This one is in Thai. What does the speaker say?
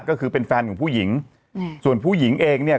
ก็คือเป็นแฟนของผู้หญิงอืมส่วนผู้หญิงเองเนี่ย